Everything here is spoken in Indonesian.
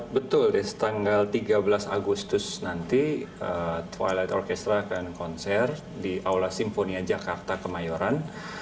betul ya setanggal tiga belas agustus nanti twilight orchestra akan konser di aula simfonia jakarta kemayoran